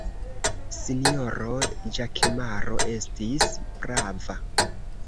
Sinjoro Ĵakemaro estis prava.